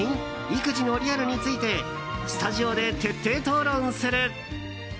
育児のリアルについてスタジオで徹底討論する！